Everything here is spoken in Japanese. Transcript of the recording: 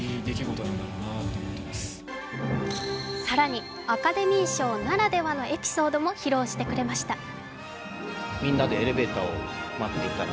更に、アカデミー賞ならではのエピソードも披露してくれました。